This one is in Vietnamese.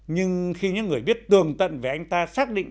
nhưng khi những người biết tường tận về anh ta xác định